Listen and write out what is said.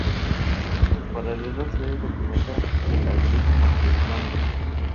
Michonne y Glenn se separaron de Rosita y Daryl, yendo en la dirección opuesta.